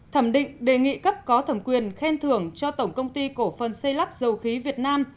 thẩm định đề nghị cấp có thẩm quyền khen thưởng cho tổng công ty cổ phần xây lắp dầu khí việt nam